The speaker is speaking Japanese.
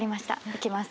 いきます。